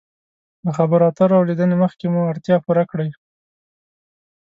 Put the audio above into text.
له خبرو اترو او لیدنې مخکې مو اړتیا پوره کړئ.